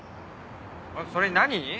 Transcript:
それに何？